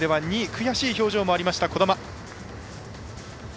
悔しい表情もありました、兒玉。